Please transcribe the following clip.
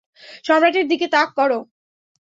সম্রাটের দিকে তাক করো!